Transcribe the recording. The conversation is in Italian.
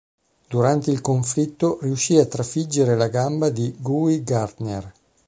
Durante il conflitto, riuscì a trafiggere la gamba di Guy Gardner.